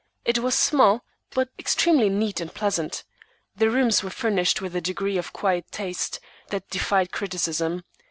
It was small, but extremely neat and pleasant. The rooms were furnished with a degree of quiet taste that defied criticism.